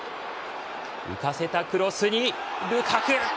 浮かせたクロスにルカク。